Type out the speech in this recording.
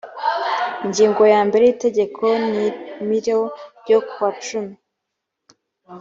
ingingo ya mbere y itegeko nimro ryo ku wa cumi